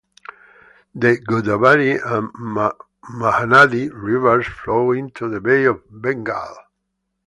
The Godavari and Mahanadi rivers flow into the Bay of Bengal.